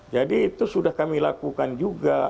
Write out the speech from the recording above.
jadi itu sudah kami lakukan juga